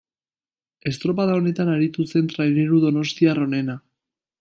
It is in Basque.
Estropada honetan aritu zen traineru donostiar onena.